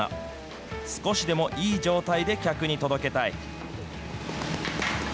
少しでもいい状態で客に届けたい。